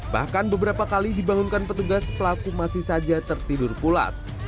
bahkan beberapa kali dibangunkan petugas pelaku masih saja tertidur pulas